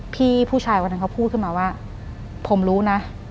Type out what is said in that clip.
พี่ผู้ชายวันนั้นเขาพูดขึ้นมาว่าผมรู้นะ